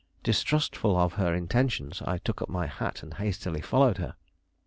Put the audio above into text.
Distrustful of her intentions, I took up my hat and hastily followed her.